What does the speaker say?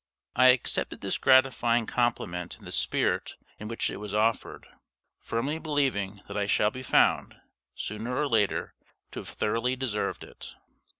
I accepted this gratifying compliment in the spirit in which it was offered, firmly believing that I shall be found, sooner or later, to have thoroughly deserved it.